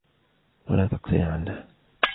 وَلَا تَقْصِيرٍ عَنْهَا